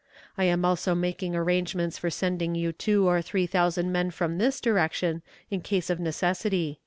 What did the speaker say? I am also making arrangements for sending you two or three thousand men from this direction in case of necessity."